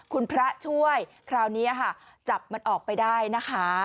คุณพระช่วยคราวนี้ค่ะจับมันออกไปได้นะคะ